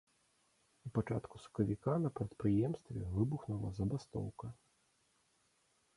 У пачатку сакавіка на прадпрыемстве выбухнула забастоўка.